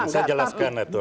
saya jelaskan aturan